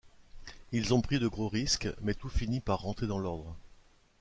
Ils ont pris de gros risques, mais tout finit par rentrer dans l'ordre.